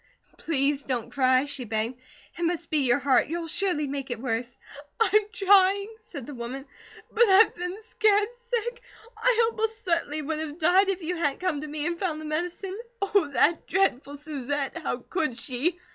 "Please don't cry," she begged. "It must be your heart; you'll surely make it worse." "I'm trying," said the woman, "but I've been scared sick. I most certainly would have died if you hadn't come to me and found the medicine. Oh, that dreadful Susette! How could she?"